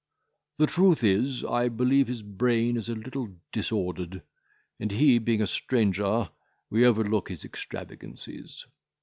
The truth is, I believe his brain is a little disordered, and, he being a stranger, we overlook his extravagancies.